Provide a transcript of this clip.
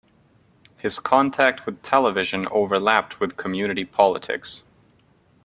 His contact with television overlapped with community politics.